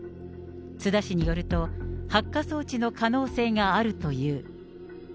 津田氏によると、発火装置の可能性があるという。